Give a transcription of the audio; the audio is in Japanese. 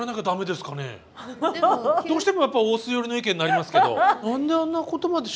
ハハハ！どうしてもやっぱオス寄りの意見になりますけど。